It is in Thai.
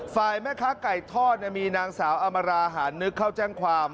ฝ่ายแม่ค้าไก่ทอดมีนางสาวอมราหารนึกเข้าแจ้งความ